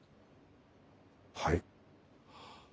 はい。